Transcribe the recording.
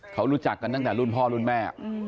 เขารู้จักกันตั้งแต่รุ่นพ่อรุ่นแม่